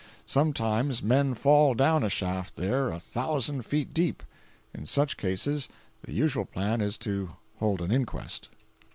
Sometimes men fall down a shaft, there, a thousand feet deep. In such cases, the usual plan is to hold an inquest.